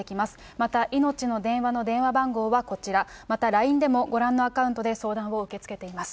またいのちの電話の電話番号はこちら、またＬＩＮＥでもご覧のアカウントで相談を受け付けています。